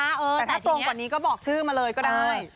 แต่ถ้าตรงกว่านี้ก็บอกชื่อมาเลยก็ได้